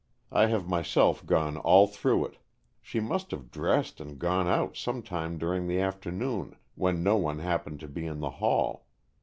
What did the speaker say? I have myself gone all through it. She must have dressed and gone out sometime during the afternoon, when no one happened to be in the hall.